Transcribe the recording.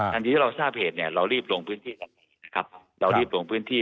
ทางที่เราทราบเหตุเรารีบลงพื้นที่